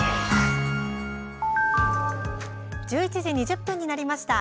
１１時２０分になりました。